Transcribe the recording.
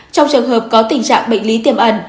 trong trường hợp có tình trạng bệnh lý tiềm ẩn